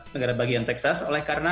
negara bagian texas oleh karena